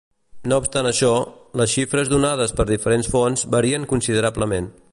No obstant això, les xifres donades per diferents fonts varien considerablement.